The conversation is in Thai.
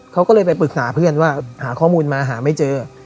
เขาก็เลยไปปรึกษาเพื่อนว่าหาข้อมูลมาหาไม่เจอ